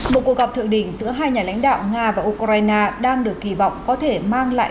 một cuộc gặp thượng đỉnh giữa hai nhà lãnh đạo nga và ukraine đang được kỳ vọng có thể mang lại